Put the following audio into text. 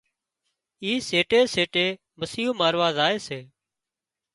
اي سيٽي سيٽي مسيون ماروا زائي سي